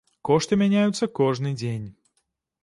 Кошты мяняюцца кожны дзень.